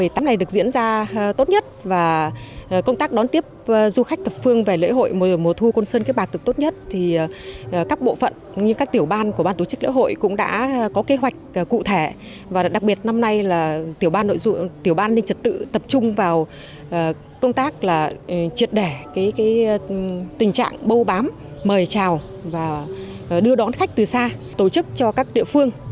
tình trạng bâu bám mời chào và đưa đón khách từ xa tổ chức cho các địa phương